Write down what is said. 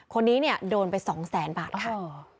คนนี้โดนไป๒๐๐๐๐๐บาทค่ะ